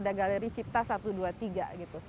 harapannya bisa menjadi suatu area yang bisa melengkapi